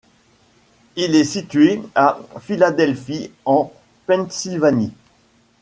Il est situé à Philadelphie en Pennsylvanie.